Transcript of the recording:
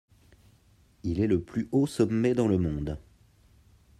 Il est le plus haut sommet dans le monde.